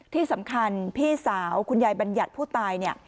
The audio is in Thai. ที่สำคัญพี่สาวคุณยายบรรยัติผู้ตาย